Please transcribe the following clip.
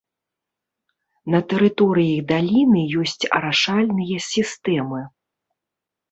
На тэрыторыі даліны ёсць арашальныя сістэмы.